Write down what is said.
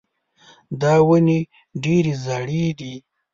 دا ونې ډېرې زاړې دي.